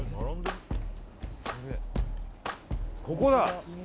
ここだ。